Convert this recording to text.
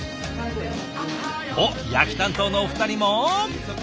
おっ焼き担当のお二人も？